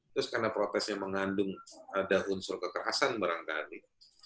terus karena protesnya mengandung ada unsur kekerasan barangkali